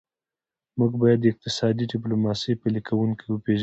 موږ باید د اقتصادي ډیپلوماسي پلي کوونکي وپېژنو